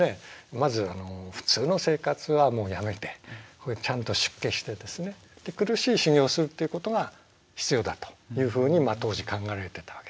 まず普通の生活はもうやめてちゃんと出家してですね苦しい修行をするっていうことが必要だというふうに当時考えられていたわけです。